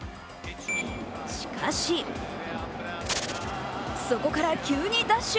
しかし、そこから急にダッシュ。